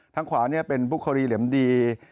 ทางขวานี่เป็นบุคคลีเหลมดี